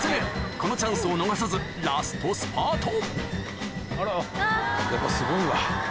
このチャンスを逃さずラストスパートやっぱすごいわ。